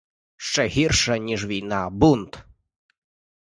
Ще гірша, ніж війна, — бунт!